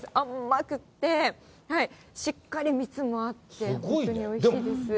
甘くて、しっかり蜜もあって、本当においしいです。